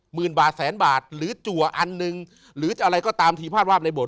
หมื่นบาทแสนบาทหรือจัวอันหนึ่งหรือจะอะไรก็ตามทีพลาดวาบในบท